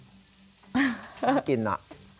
น่ากินอะ